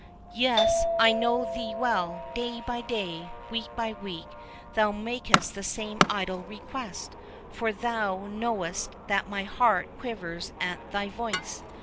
"Yes, I know thee well; day by day, week by week, thou makest the same idle request, for thou knowest that my heart quivers at thy voice.